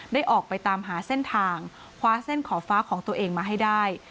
ได้ออกไปตามหาเส้นทางคว้าเส้นขอบฟ้าของตัวเองมาให้ได้